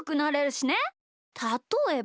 たとえば。